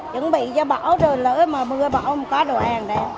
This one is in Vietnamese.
chuẩn bị cho bão rồi lỡ mà mưa bão có đồ hàng đây